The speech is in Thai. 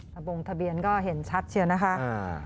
บงทะเบียนก็เห็นชัดเชียวนะคะ